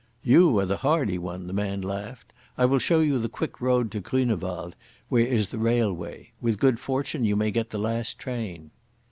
"You are the hardy one," the man laughed. "I will show you the quick road to Grünewald, where is the railway. With good fortune you may get the last train."